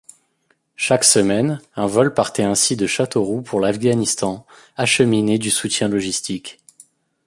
Chaque semaine, un vol partait ainsi de Châteauroux pour l'Afghanistan acheminer du soutien logistique.